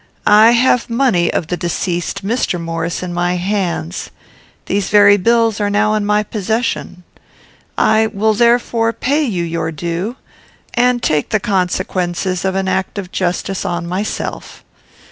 I have money of the deceased Mr. Maurice in my hands. These very bills are now in my possession. I will therefore pay you your due, and take the consequences of an act of justice on myself.